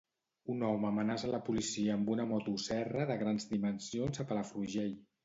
Un home amenaça la policia amb una motoserra de grans dimensions a Palafrugell.